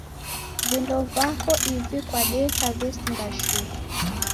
Vindo vako ivi kwadeka vesinga shuu